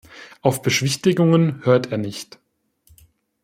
Auf Beschwichtigungen hört er nicht.